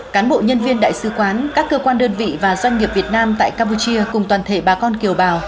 cán bộ nhân viên đại sứ quán các cơ quan đơn vị và doanh nghiệp việt nam tại campuchia cùng toàn thể bà con kiều bào